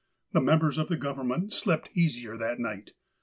The mem bers of the Government slept easier that night.